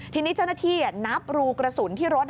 ทีนี้เจ้าหน้าที่นับรูกระสุนที่รถ